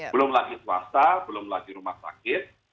belum lagi swasta belum lagi rumah sakit